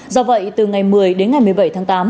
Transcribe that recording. do vậy từ ngày một mươi đến ngày một mươi bảy tháng tám